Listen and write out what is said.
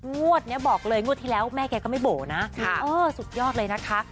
งวดนี้บอกเลยงวดที่แล้วแม่แกก็ไม่โบ๋นะสุดยอดเลยนะคะ